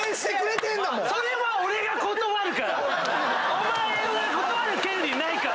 お前は断る権利ないから！